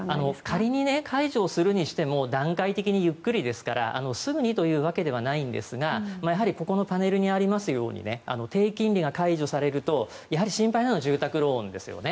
仮に解除をするにしても段階的にゆっくりですからすぐにというわけではないんですがやはりここのパネルにありますように低金利が解除されると心配なのは住宅ローンですよね。